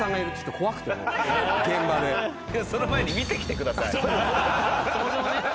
その前に見てきてください。